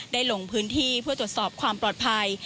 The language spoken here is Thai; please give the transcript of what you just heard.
ลงพื้นที่เพื่อตรวจสอบความปลอดภัย